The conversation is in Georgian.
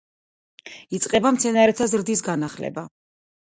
იწყება მცენარეთა ზრდის განახლება.